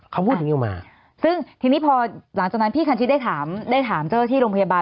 เขาพูดอยู่มาซึ่งทีนี้พอหลังจากนั้นพี่คัญชีได้ถามเจ้าที่โรงพยาบาล